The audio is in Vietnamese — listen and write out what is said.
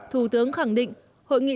thủ tướng khẳng định